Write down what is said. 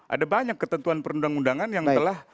ada banyak ketentuan perundang undangan yang telah